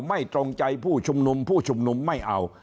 ไม่ตรงใจผู้ชุมนุมผู้ชุมนุมไม่เอา